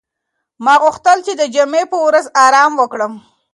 ما غوښتل چې د جمعې په ورځ ارام وکړم.